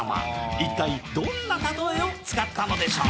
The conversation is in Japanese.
一体どんなたとえを使ったのでしょう？